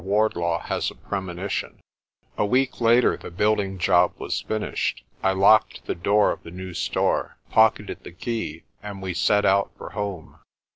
WARDLAW HAS A PREMONITION A WEEK later the building job was finished, I locked the door of the new store, pocketed the key, and we set out for home.